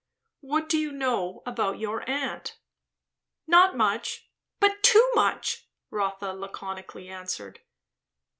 "What do you know about your aunt?" "Not much, but too much," Rotha laconically answered.